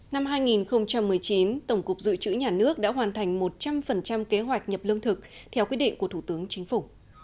năm hai nghìn một mươi chín tổng cục dự trữ nhà nước đã hoàn thành một trăm linh kế hoạch nhập lương thực theo quyết định của thủ tướng chính phủ